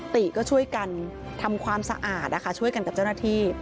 ติก็ช่วยกันทำความสะอาดนะคะช่วยกันกับเจ้าหน้าที่